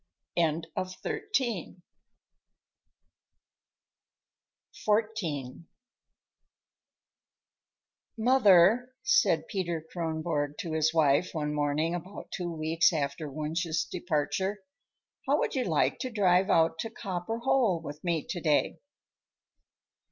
XIV "Mother," said Peter Kronborg to his wife one morning about two weeks after Wunsch's departure, "how would you like to drive out to Copper Hole with me to day?"